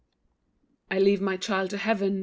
"I leave my child to Heaven."